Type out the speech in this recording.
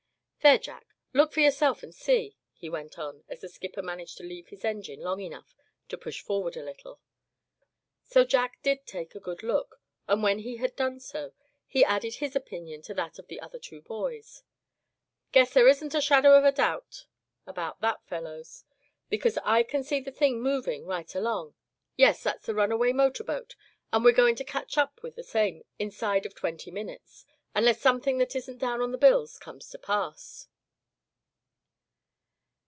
There, Jack, look for yourself and see," he went on, as the skipper managed to leave his engine long enough to push forward a little. So Jack did take a good look, and when he had done so, he added his opinion to that of the other two boys. "Guess there isn't a shadow of doubt about that, fellows; because I can see the thing moving right along; yes, that's the runaway motor boat, and we're going to catch up with the same inside of twenty minutes, unless something that isn't down on the bills comes to pass."